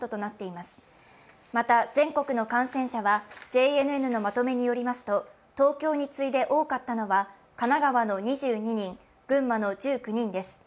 また、全国の感染者はＪＮＮのまとめによりますと東京に次いで多かったのは神奈川の２２人、群馬の１９人です。